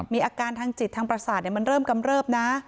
มีอาการทางจิตทางประสาทมันเริ่มกำเริบนะ